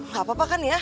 gak apa apa kan ya